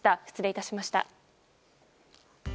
失礼致しました。